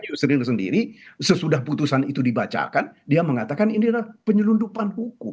dia sendiri sesudah putusan itu dibacakan dia mengatakan ini adalah penyelundupan hukum